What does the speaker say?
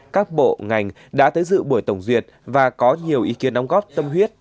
các bộ ngành đã tới dự buổi tổng duyệt và có nhiều ý kiến đóng góp tâm huyết